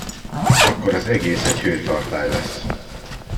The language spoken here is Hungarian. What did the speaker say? Akkor az egész egy hőtartály lesz.